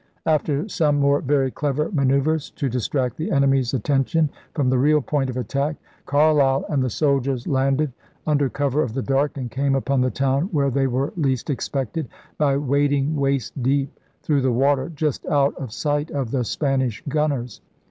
After some more very clever manoeuvres, to distract the enemy's atten tion from the real point of attack, Carleill and the soldiers landed under cover of the dark and came upon the town where they were least expected, by wading waist deep through the water just out of sight of the Spanish gunners.